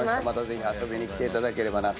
またぜひ遊びに来ていただければ。